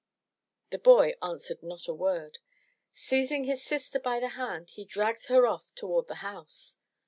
The boy answered not a word. Seizing his sister by the hand, he dragged her off toward the house.